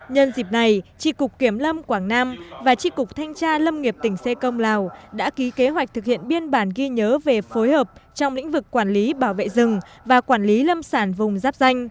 nhân dịp này tri cục kiểm lâm quảng nam và tri cục thanh tra lâm nghiệp tỉnh xê công lào đã ký kế hoạch thực hiện biên bản ghi nhớ về phối hợp trong lĩnh vực quản lý bảo vệ rừng và quản lý lâm sản vùng giáp danh